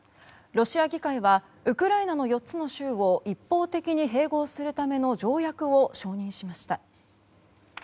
ロシア議会はウクライナの４つの州を一方的に併合するための条約を承認しました。